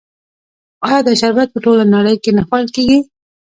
آیا دا شربت په ټوله نړۍ کې نه خوړل کیږي؟